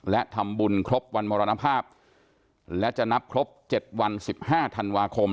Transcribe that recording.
และทำบุญครบวันมรณภาพและจะนับครบ๗วัน๑๕ธันวาคม